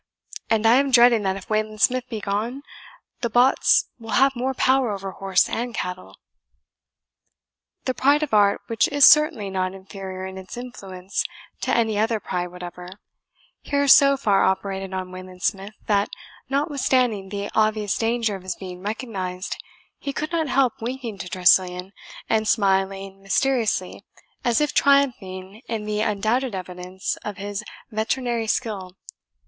And I am dreading that if Wayland Smith be gone, the bots will have more power over horse and cattle." The pride of art, which is certainly not inferior in its influence to any other pride whatever, here so far operated on Wayland Smith, that, notwithstanding the obvious danger of his being recognized, he could not help winking to Tressilian, and smiling mysteriously, as if triumphing in the undoubted evidence of his veterinary skill.